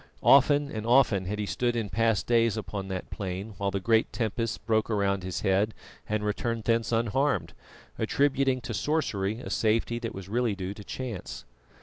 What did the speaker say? Often and often had he stood in past days upon that plain while the great tempests broke around his head, and returned thence unharmed, attributing to sorcery a safety that was really due to chance.